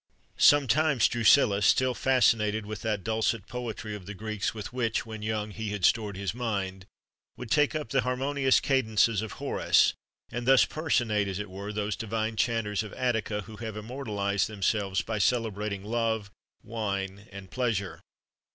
[XXXV 80] Sometimes Drusillus, still fascinated with that dulcet poetry of the Greeks with which, when young, he had stored his mind, would take up the harmonious cadences of Horace, and thus personate, as it were, those divine chanters of Attica who have immortalised themselves by celebrating love, wine, and pleasure.